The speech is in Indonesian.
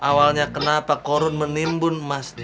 awalnya kenapa korun menimbun emas